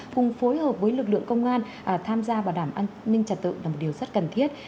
cùng phối hợp với lực lượng công an tham gia bảo đảm an ninh trật tự là một điều rất cần thiết